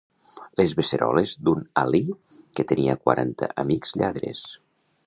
Les beceroles d'un Alí que tenia quaranta amics lladres.